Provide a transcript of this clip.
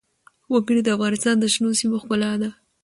وګړي د افغانستان د شنو سیمو ښکلا ده.